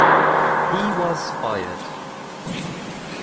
He was fired.